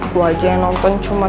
gue aja yang nonton cuma tiga ratus